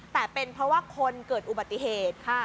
แต่เป็นเพราะว่าคนเกิดอุบัติเหตุค่ะ